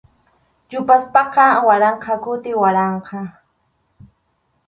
Yupaspaqa waranqa kuti waranqa.